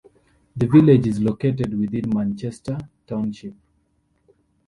The village is located within Manchester Township.